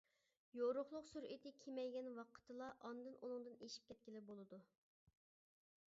يورۇقلۇق سۈرئىتى كېمەيگەن ۋاقىتتىلا ئاندىن ئۇنىڭدىن ئېشىپ كەتكىلى بولىدۇ.